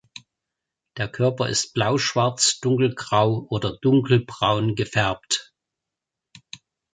Der Körper ist blauschwarz, dunkelgrau oder dunkelbraun gefärbt.